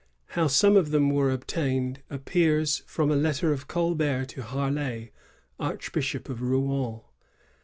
^ How some of them were obtained appears from a letter of Colbert to Harlay, Archbishop of Rouen.